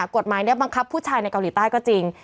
กฎหมายนี้บังคับผู้ชายในเกาหลีใต้ก็จริง